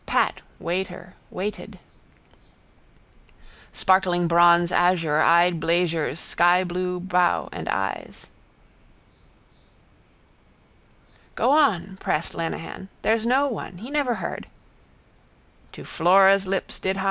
Pat, waiter, waited. Sparkling bronze azure eyed Blazure's skyblue bow and eyes. —Go on, pressed Lenehan. There's no one. He never heard. —... _to Flora's lips did hie.